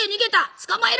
捕まえろ！」。